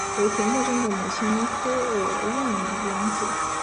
为铁木真的母亲诃额仑养子。